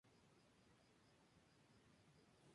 Si no, probablemente existen problemas.